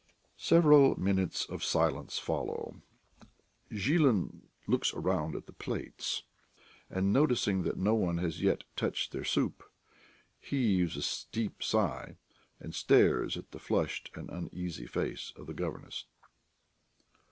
Several minutes of silence follow. Zhilin looks round at the plates, and noticing that no one has yet touched their soup, heaves a deep sigh, and stares at the flushed and uneasy face of the governess.